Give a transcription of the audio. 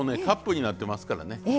カップになってますからね。